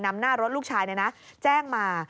นำหน้ารถลูกชายแจ้งมา